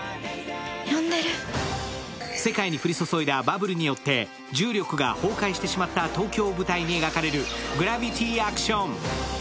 世界に降り注いだバブルによって、重力が崩壊してしまった東京を舞台に描かれるグラビティ・アクション。